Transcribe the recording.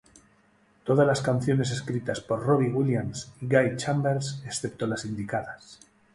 Todas las canciones escritas por Robbie Williams y Guy Chambers, excepto las indicadas.